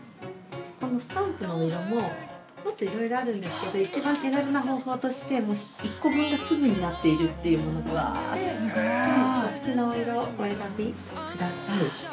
このスタンプのお色も、いろいろあるんですけど一番手軽な方法として１個分が粒になっているというものがあってお好きなお色をお選びください。